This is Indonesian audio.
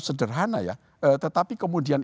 sederhana ya tetapi kemudian